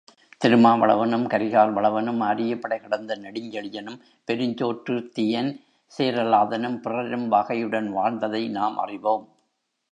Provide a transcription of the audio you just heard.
திருமாவளவனும், கரிகால்வளவனும், ஆரியப்படை கடந்த நெடுஞ்செழியனும், பெருஞ்சோற்றுதியன் சேரலாதனும், பிறரும் வாகையுடன் வாழ்ந்ததை நாம் அறிவோம்.